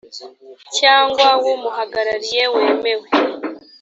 cyangwa w umuhagarariye wemewe